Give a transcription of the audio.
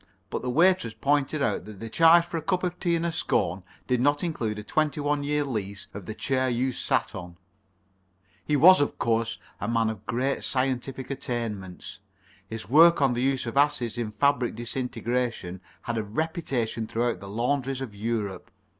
But the waitress pointed out that the charge for a cup of tea and a scone did not include a twenty one years' lease of the chair you sat on. He was, of course, a man of great scientific attainments. His work on the use of acids in fabric disintegration has a reputation throughout the laundries of Europe.